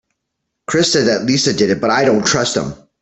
Chris said that Lisa did it but I dont trust him.